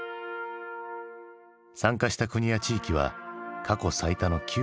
参加した国や地域は過去最多の９４。